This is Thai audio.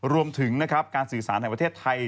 รวมถึงนะครับการสื่อสารแห่งประเทศไทย